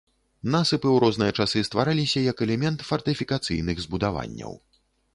Насыпы ў розныя часы ствараліся як элемент фартыфікацыйных збудаванняў.